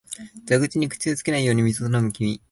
蛇口に口をつけないように水を飲む君、